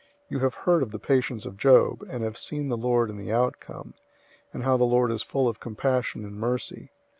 You have heard of the patience of Job, and have seen the Lord in the outcome, and how the Lord is full of compassion and mercy.